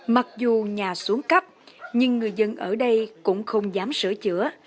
mặc dù nhà xuống cấp nhưng người dân ở đây cũng không dám sửa chữa